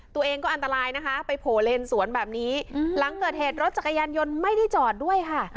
ตัวเองก็อันตรายนะคะไปโผล่เลนสวนแบบนี้หลังเกิดเหตุรถจักรยานยนต์ไม่ได้จอดด้วยค่ะ